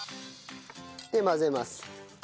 で混ぜます。